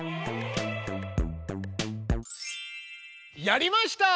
やりました！